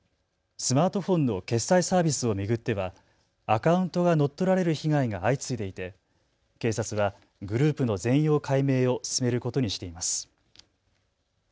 スマートフォンの決済サービスを巡ってはアカウントが乗っ取られる被害が相次いでいて警察はグループの全容解明を進めることにしています。